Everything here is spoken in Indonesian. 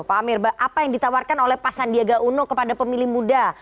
pak amir apa yang ditawarkan oleh pak sandiaga uno kepada pemilih muda